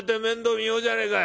見ようじゃねえか。